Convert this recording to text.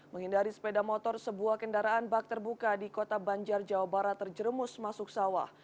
menghindari sepeda motor sebuah kendaraan bak terbuka di kota banjar jawa barat terjeremus masuk sawah